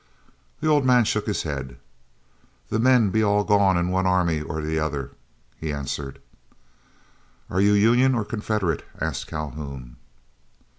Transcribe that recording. The old man shook his head. "The men be all gone in one army or de other," he answered. "Are you Union or Confederate?" asked Calhoun.